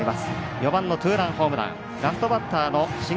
４番のツーランホームラン。